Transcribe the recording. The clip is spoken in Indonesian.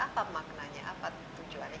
apa maknanya apa tujuannya